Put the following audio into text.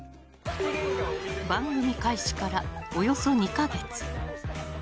番組開始からおよそ２か月。